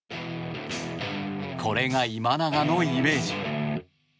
これが今永のイメージ。